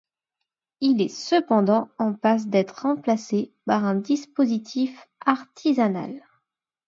Il est cependant en passe d'être remplacé par un dispositif artisanal.